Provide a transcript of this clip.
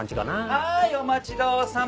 はいお待ちどおさま！